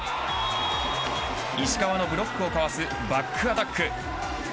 石川のブロックをかわすバックアタック。